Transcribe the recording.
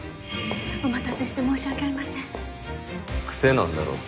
お待たせして申し訳ありません癖なんだろ。